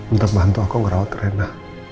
untuk bantu aku ngerawat rena